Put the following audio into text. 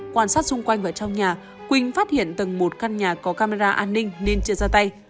quản sát xung quanh và trong nhà quỳnh phát hiện tầng một căn nhà có camera an ninh nên trượt ra tay